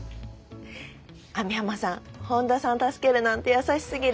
網浜さん本田さん助けるなんて優しすぎる。